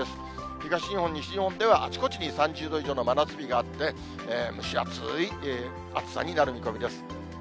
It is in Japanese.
東日本、西日本ではあちこちに３０度以上の真夏日があって、蒸し暑い暑さになる見込みです。